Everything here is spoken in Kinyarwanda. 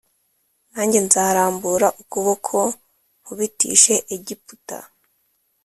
Nanjye nzarambura ukuboko nkubitishe Egiputa